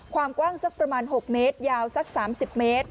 ความกว้างสักประมาณ๖เมตรยาวสัก๓๐เมตร